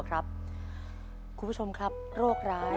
เกมต่อชีวิตสูงสุด๑ล้านบาท